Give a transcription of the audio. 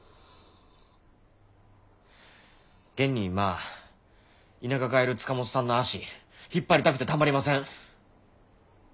現に今田舎帰る塚本さんの足引っ張りたくてたまりません。